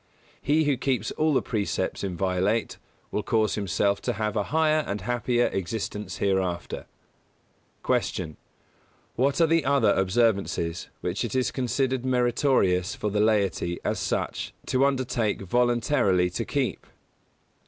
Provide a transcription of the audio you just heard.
He who keeps all the precepts inviolate will cause himself to have a higher and happier existence hereafter. 157. Q. _What are the other observances which it is considered meritorious for the laity as such to undertake voluntarily to keep?